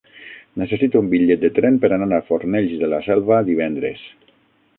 Necessito un bitllet de tren per anar a Fornells de la Selva divendres.